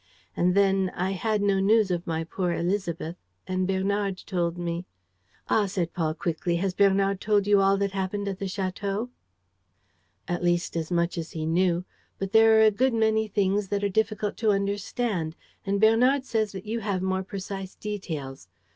... And then I had no news of my poor Élisabeth; and Bernard told me. ..." "Ah," said Paul quickly, "has Bernard told you all that happened at the château?" "At least, as much as he knew; but there are a good many things that are difficult to understand; and Bernard says that you have more precise details.